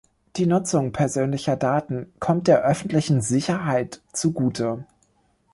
Die Nutzung persönlicher Daten kommt der öffentlichen Sicherheit zugute.